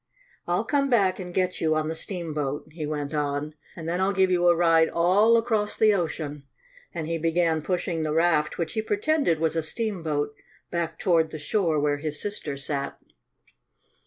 "I'll come back and get you on the steamboat," he went on, "and then I'll give you a ride all across the ocean," and he began pushing the raft, which he pretended was a steamboat, back toward the shore where his sister sat.